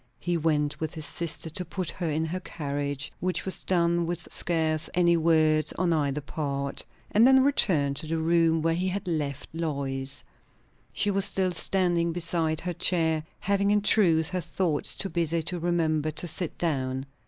He went with his sister to put her in her carriage, which was done with scarce any words on either part; and then returned to the room where he had left Lois. She was still standing beside her chair, having in truth her thoughts too busy to remember to sit down.